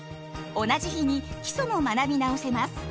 同じ日に基礎も学び直せます！